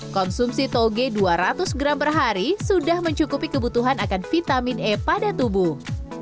konsumsi toge dua ratus gram per hari sudah mencukupi kebutuhan akan vitamin e pada tubuh